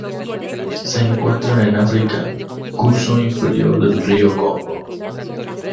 Se encuentran en África: curso inferior del río Congo.